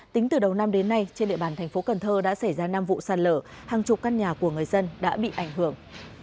tính từ đầu năm đến nay trên địa bàn thành phố cần thơ đã xảy ra năm vụ sạt lở hàng chục căn nhà của người dân đã bị ảnh hưởng